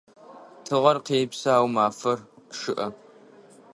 Тыгъэр къепсы, ау мафэр чъыӏэ.